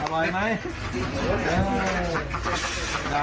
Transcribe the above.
อร่อยไหม